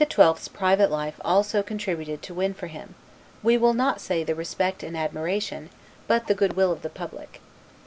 's private life also contributed to win for him, we will not say the respect and admiration, but the good will of the public.